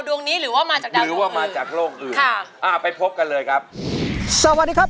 เพลงนี้อยู่ในอาราบัมชุดแรกของคุณแจ็คเลยนะครับ